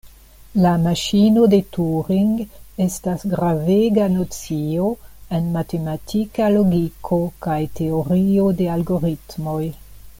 La maŝino de Turing estas gravega nocio en matematika logiko kaj teorio de algoritmoj.